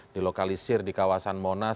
dilokalisir di kawasan monas